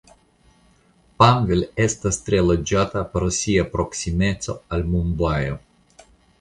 Panvel estas tre loĝata pro sia proksimeco al Mumbajo.